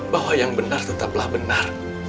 bahwa yang benar tetaplah benar